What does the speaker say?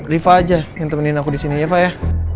riva aja yang temenin aku disini ya pak ya